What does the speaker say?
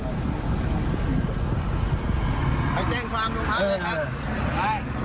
ไปแจ้งความโรงพักเลยครับไป